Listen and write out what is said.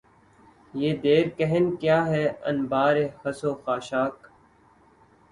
یہ دیر کہن کیا ہے انبار خس و خاشاک